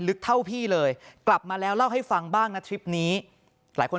ลึกเท่าพี่เลยกลับมาแล้วเล่าให้ฟังบ้างนะทริปนี้หลายคน